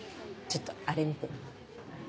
ちょっとあれ見て。